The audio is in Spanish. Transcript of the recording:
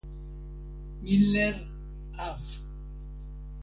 Miller, Av.